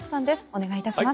お願いいたします。